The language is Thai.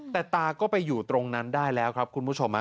แต่ตาก็ไปอยู่ตรงนั้นได้แล้วครับคุณผู้ชม